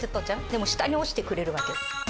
でも下に落ちてくれるわけよ。